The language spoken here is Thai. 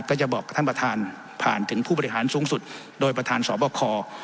ก็จะบอกกับท่านประธานผ่านถึงผู้บริหารสูงสุดโดยประธานสบค